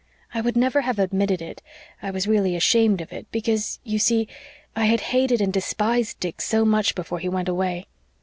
I would never have admitted it I was really ashamed of it because, you see, I had hated and despised Dick so much before he went away.